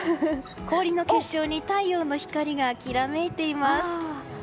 氷の結晶に太陽の光がきらめています。